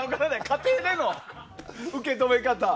家庭での受け止め方。